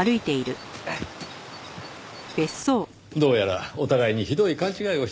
どうやらお互いにひどい勘違いをしていたようです。